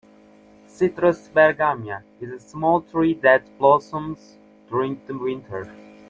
"Citrus bergamia" is a small tree that blossoms during the winter.